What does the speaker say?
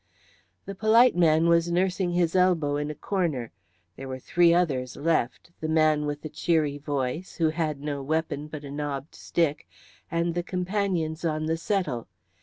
The polite man was nursing his elbow in a corner; there were three others left, the man with the cheery voice, who had no weapon but a knobbed stick, and the companions on the settle.